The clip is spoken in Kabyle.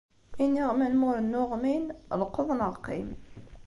Iniɣman ma ur nnuɣmin, lqeḍ neɣ qim.